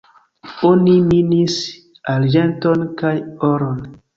Oni minis arĝenton kaj oron.